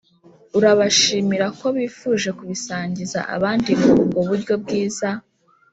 urabashimira ko bifuje kubisangiza abandi ngo ubwo buryo bwiza